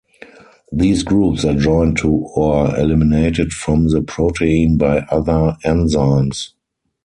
These groups are joined to or eliminated from the protein by other enzymes.